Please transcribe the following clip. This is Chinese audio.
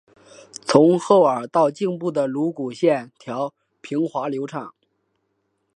从耳后到颈部的颅骨线条平滑流畅。